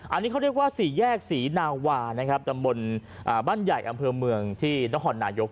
อันนี้เขาเรียกว่าสี่แยกศรีนาวานะครับตำบลบ้านใหญ่อำเภอเมืองที่นครนายก